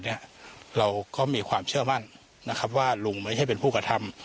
เราก็มีความเชื่อมั่นนะครับว่าลุงไม่ใช่เป็นผู้กระทำ